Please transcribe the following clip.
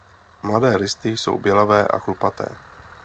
Mladé listy jsou bělavé a chlupaté.